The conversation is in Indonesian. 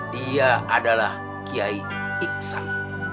dia adalah kiai iksan